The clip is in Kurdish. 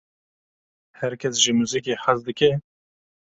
Her kes ji muzîkê hez dike?